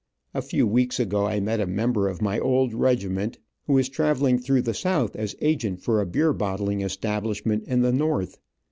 * A few weeks ago I met a member of my old regiment, who is traveling through the South as agent for a beer bottling establishment in the North.